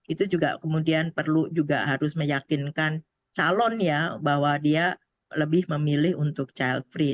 itu juga kemudian perlu juga harus meyakinkan calon ya bahwa dia lebih memilih untuk child free